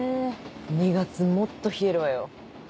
２月もっと冷えるわよ。